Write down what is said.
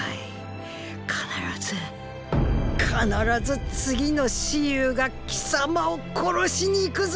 必ず必ず次の蚩尤が貴様を殺しに行くぞ！